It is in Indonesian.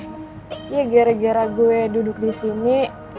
ya gara gara gue duduk di sini